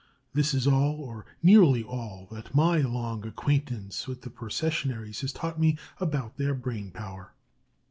This is all, or nearly all, that my long acquaintance with the Processionaries has taught me about their brain power.